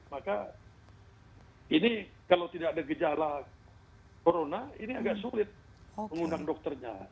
maka ini kalau tidak ada gejala corona ini agak sulit mengundang dokternya